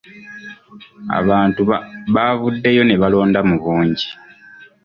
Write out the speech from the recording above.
Abantu baavuddeyo ne balonda mu bungi.